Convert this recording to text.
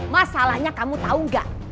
masalahnya kamu tau gak